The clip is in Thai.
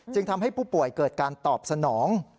ทำให้ผู้ป่วยเกิดการตอบสนอง